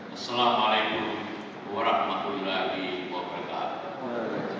assalamu'alaikum warahmatullahi wabarakatuh